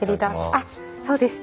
あっそうでした。